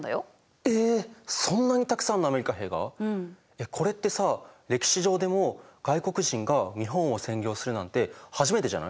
いやこれってさ歴史上でも外国人が日本を占領するなんて初めてじゃない？